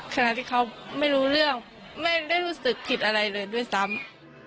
ขณะที่เขาไม่รู้เรื่องไม่ได้รู้สึกผิดอะไรเลยด้วยซ้ำ